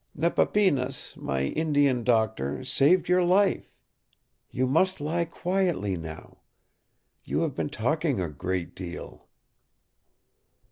Nepapinas, my Indian doctor, saved your life. You must lie quietly now. You have been talking a great deal."